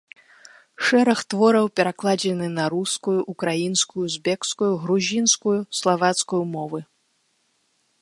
Шэраг твораў перакладзены на рускую, украінскую, узбекскую, грузінскую, славацкую мовы.